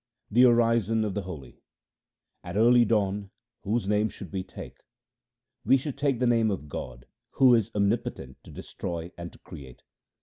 The orison of the holy :— At early dawn whose name should we take ? We should take the name of God who is omnipotent to destroy and to create.